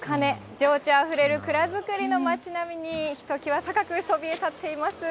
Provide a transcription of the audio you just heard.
情緒あふれる蔵造りの街並みに、ひと際高くそびえ立っています。